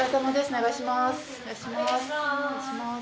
お願いします。